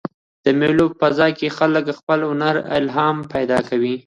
د مېلو په فضا کښي خلک خپل هنري الهام پیدا کوي.